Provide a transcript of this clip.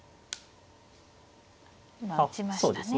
今打ちましたね。